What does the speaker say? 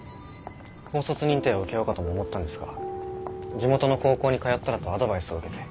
高卒認定を受けようかとも思ったんですが地元の高校に通ったらとアドバイスを受けて。